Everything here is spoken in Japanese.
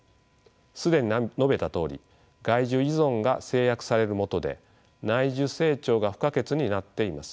既に述べたとおり外需依存が制約されるもとで内需成長が不可欠になっています。